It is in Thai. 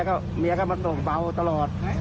กลับไปหาเมียเมียก็มาส่งเบาตลอด